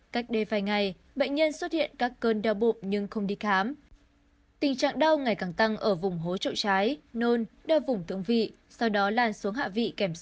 các bạn hãy đăng ký kênh để ủng hộ kênh của chúng mình nhé